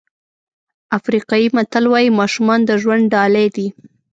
افریقایي متل وایي ماشومان د ژوند ډالۍ دي.